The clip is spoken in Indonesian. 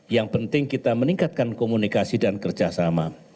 yang penting kita meningkatkan komunikasi dan kerjasama